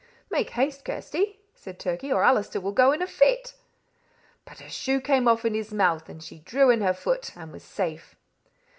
"Make haste, Kirsty," said Turkey, "or Allister will go in a fit." "But her shoe came off in his mouth, and she drew in her foot and was safe."